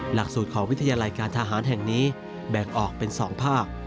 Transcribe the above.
หลักสูตรของวิทยาลัยการทหารแห่งนี้แบ่งออกเป็น๒ภาค